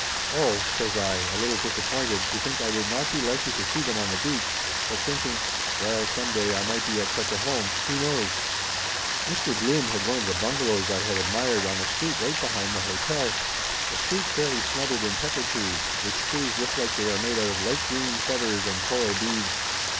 "Oh !" says I, a little disappointed to think I would not be likely to see them on the beach, but thinking, "Well, some day I might be at such a home, who knows ?" Mr. Blum had one of the bungalows I had admired, on a street right behind the hotel. A street fairly smothered in pepper trees, which trees look like they are made out of light green feathers and coral beads.